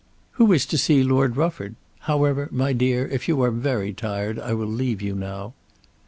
"Who is to see Lord Rufford? However, my dear, if you are very tired, I will leave you now."